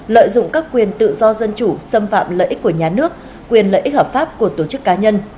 lợi dụng các quyền tự do dân chủ xâm phạm lợi ích của nhà nước quyền lợi ích hợp pháp của tổ chức cá nhân